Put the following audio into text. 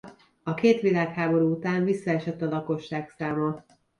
A két világháború után visszaesett a lakosságszáma.